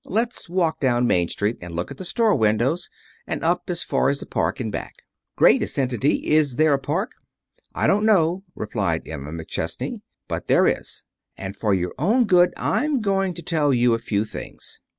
Let's walk down Main Street and look in the store windows, and up as far as the park and back." "Great!" assented he. "Is there a park? "I don't know," replied Emma McChesney, "but there is. And for your own good I'm going to tell you a few things.